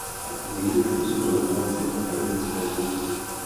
Nikdy nepůsobil ve Francii v akademické funkci.